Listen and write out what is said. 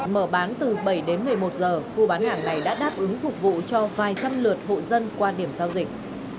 mở bán từ bảy đến một mươi một giờ khu bán hàng này đã đáp ứng phục vụ cho vài trăm lượt hộ dân qua điểm giao dịch